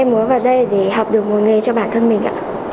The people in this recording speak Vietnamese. em muốn vào đây để học được một nghề cho bản thân mình ạ